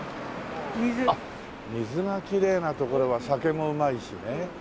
あっ水がきれいな所は酒もうまいしね。